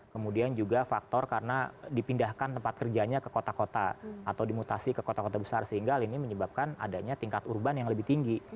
kemudian juga faktor karena dipindahkan tempat kerjanya ke kota kota atau dimutasi ke kota kota besar sehingga ini menyebabkan adanya tingkat urban yang lebih tinggi